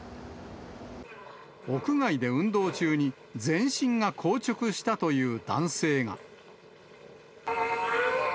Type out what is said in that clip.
屋外で運動中に全身が硬直したという男性が。